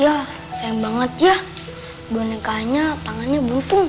ya sayang banget ya bonekanya tangannya buntung